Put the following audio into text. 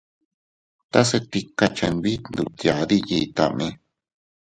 Tase tika chenbit ndutyadi yitame.